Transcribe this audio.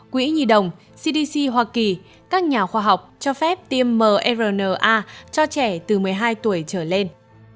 quỹ nhi đồng cdc hoa kỳ các nhà khoa học cho phép tiêm mrna cho trẻ từ một mươi hai tuổi trở lên